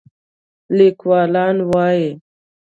لیکوالان وايي